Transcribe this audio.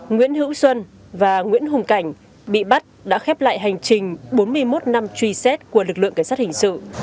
nguyễn hữu xuân và nguyễn hùng cảnh bị bắt đã khép lại hành trình bốn mươi một năm truy xét của lực lượng cảnh sát hình sự